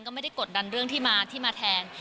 ก็ไม่ได้กดดันเรื่องที่มาที่มาแทน